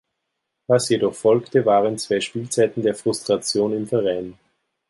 Was jedoch folgte, waren zwei Spielzeiten der Frustration im Verein.